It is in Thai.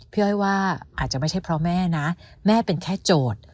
พี่อ้อยว่าอาจจะไม่ใช่เพราะแม่นะแม่เป็นแค่โจทย์